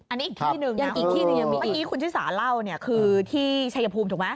เมื่อกี้คุณชินสาเล่าเนี่ยคือที่ชัยภูมิถูกไหม